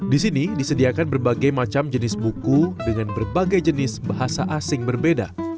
di sini disediakan berbagai macam jenis buku dengan berbagai jenis bahasa asing berbeda